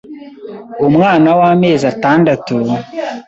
Umwana w’amezi atandatu